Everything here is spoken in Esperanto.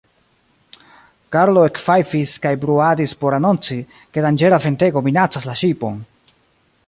Karlo ekfajfis kaj bruadis por anonci, ke danĝera ventego minacas la ŝipon.